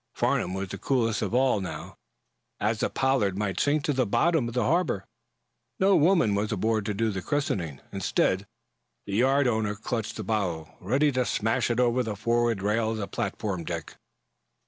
Farnum was the coolest of all, now. As the "Pollard" might sink to the bottom of the harbor, no woman was aboard to do the christening. Instead, the yard owner clutched the bottle, ready to smash it over the forward rail of the platform deck.